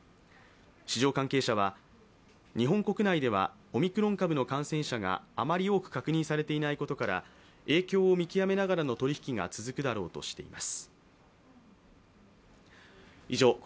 市場関係者は日本国内ではオミクロン株の感染者があまり多く確認されていないことから、影響を見極めながらの取り引きが続くだろうとしています。